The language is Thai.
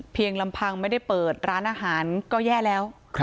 ลำพังไม่ได้เปิดร้านอาหารก็แย่แล้ว